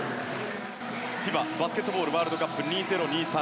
ＦＩＢＡバスケットボールワールドカップ２０２３。